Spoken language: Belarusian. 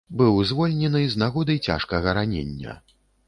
Быў звольнены з нагоды цяжкага ранення.